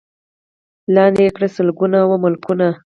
لاندي کړي یې سلګونه وه ملکونه